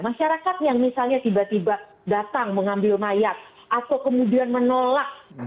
masyarakat yang misalnya tiba tiba datang mengambil mayat atau kemudian menolak